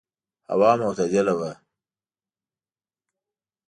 هوا معتدله وه.